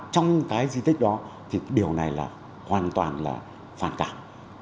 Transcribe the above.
trong cái di tích đó thì điều này là hoàn toàn là phản cảm